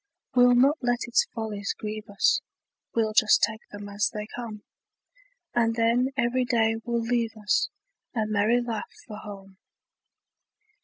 We'll not let its follies grieve us, We'll just take them as they come; And then every day will leave us A merry laugh for home.